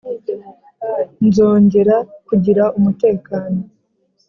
nzongera kugira umutekano